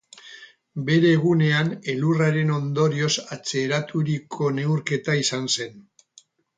Bere egunean elurraren ondorioz atzeraturiko neurketa izan zen.